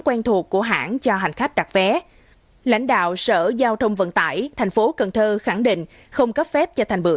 quay về tp hcm